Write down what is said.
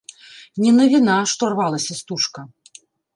Не навіна, што рвалася стужка.